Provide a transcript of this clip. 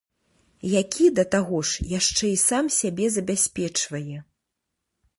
Які, да таго ж, яшчэ і сам сябе забяспечвае!